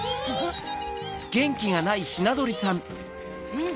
うん。